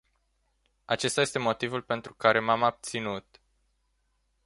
Acesta este motivul pentru care m-am abținut.